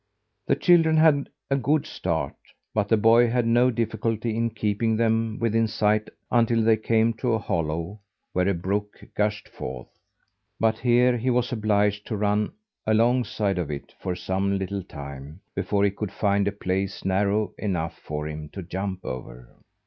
The children had a good start; but the boy had no difficulty in keeping them within sight until they came to a hollow where a brook gushed forth. But here he was obliged to run alongside of it for some little time, before he could find a place narrow enough for him to jump over.